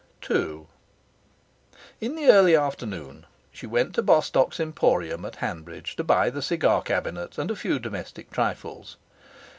II In the early afternoon she went to Bostock's emporium, at Hanbridge, to buy the cigar cabinet and a few domestic trifles.